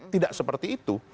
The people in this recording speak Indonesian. tidak seperti itu